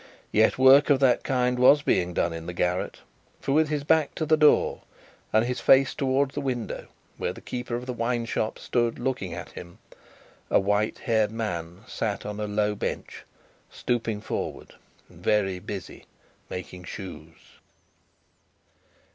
Yet, work of that kind was being done in the garret; for, with his back towards the door, and his face towards the window where the keeper of the wine shop stood looking at him, a white haired man sat on a low bench, stooping forward and very busy, making shoes.